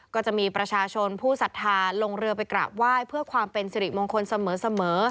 ก็จะมีประชาชนผู้สัทธาลงเรือไปกราบไหว้เพื่อความเป็นสิริมงคลเสมอ